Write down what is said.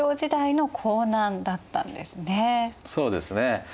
そうですね。